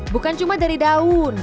bukan cuma dari daun